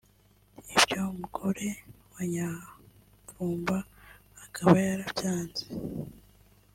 Ibyo umugore wa Nyamvumba akaba yarabyanze